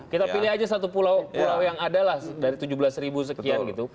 kita pilih aja satu pulau pulau yang ada lah dari tujuh belas ribu sekian gitu